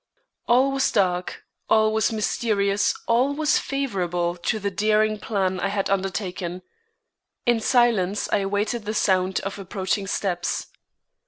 All was dark, all was mysterious, all was favorable to the daring plan I had undertaken. In silence I awaited the sound of approaching steps.